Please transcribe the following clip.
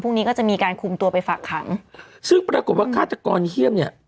นี้ก็จะมีการคุมตัวไปฝากขังซึ่งปรากฏว่าฆาตกรเฮี่ยมเนี่ย